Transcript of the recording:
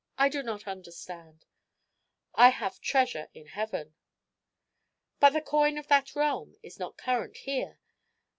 "I do not understand." "I have treasure in heaven." "But the coin of that realm is not current here?